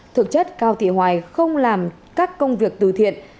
thực chất cao thị hoài không làm các công việc từ thiện